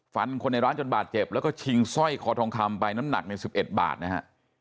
ฟันคนในร้านจนบาดเจ็บแล้วก็ชิงสร้อยคอทองคำไปน้ำหนักใน๑๑บาทนะฮะ